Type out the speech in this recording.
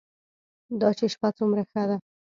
دا چې شپه څومره ښه ده.